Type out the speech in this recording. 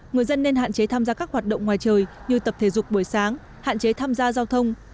người dân nên hạn chế tham gia các hoạt động ngoài trời như tập thể dục buổi sáng hạn chế tham gia giao thông